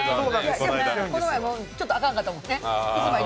この前もちょっとあかんかったもんね。